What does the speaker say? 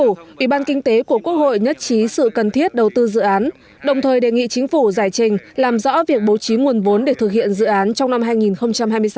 ủy ban kinh tế của quốc hội nhất trí sự cần thiết đầu tư dự án đồng thời đề nghị chính phủ giải trình làm rõ việc bố trí nguồn vốn để thực hiện dự án trong năm hai nghìn hai mươi sáu